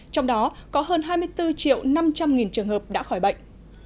trong đó có hơn hai mươi bốn triệu năm trăm linh trường hợp đã khỏi bệnh